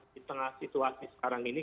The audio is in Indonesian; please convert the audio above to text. di tengah situasi sekarang ini